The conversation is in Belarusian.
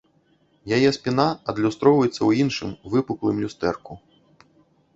Яе спіна адлюстроўваецца ў іншым, выпуклым, люстэрку.